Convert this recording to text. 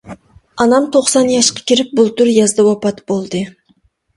ئاتام توقسان ياشقا كىرىپ بۇلتۇر يازدا ۋاپات بولدى.